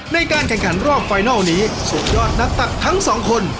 ในการแข่งขันรอบไฟนัลนี้สุดยอดนักตักทั้งสองคน